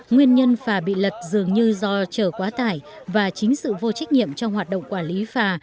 nguyên nhân phà bị lật dường như do chở quá tải và chính sự vô trách nhiệm trong hoạt động quản lý phà